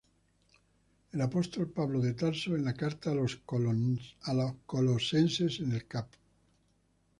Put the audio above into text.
El Apóstol Pablo de Tarso en la carta a los Colosenses en el Cap.